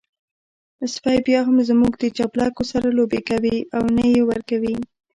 سپی بيا هم زموږ د چپلکو سره لوبې کوي او نه يې ورکوي.